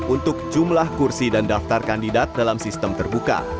untuk jumlah kursi dan daftar kandidat dalam sistem terbuka